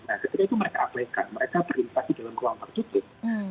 nah ketika itu mereka abaikan mereka berinteraksi dalam ruang tertutup